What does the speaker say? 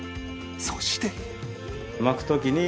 そして